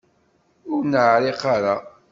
Ur neεriq ara.